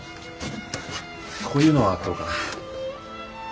こういうのはどうかな？